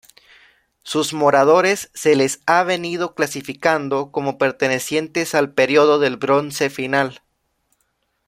Sus moradores se les ha venido clasificando como pertenecientes al periodo del Bronce Final.